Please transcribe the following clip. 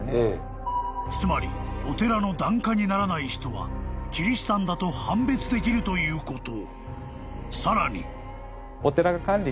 ［つまりお寺の檀家にならない人はキリシタンだと判別できるということ］